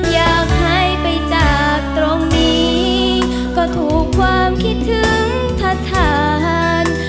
อยากหายไปจากตรงนี้ก็ถูกความคิดถึงทัศน